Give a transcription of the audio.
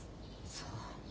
そう。